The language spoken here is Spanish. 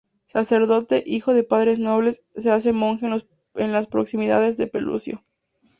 Sacerdote, hijo de padres nobles, se hace monje en las proximidades de Pelusio.